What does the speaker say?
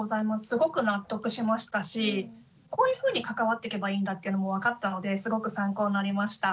すごく納得しましたしこういうふうに関わっていけばいいんだっていうのも分かったのですごく参考になりました。